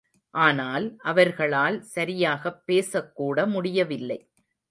ஆனால், அவர்களால் சரியாகப் பேசக்கூட முடியவில்லை.